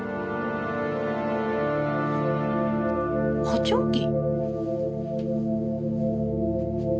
補聴器。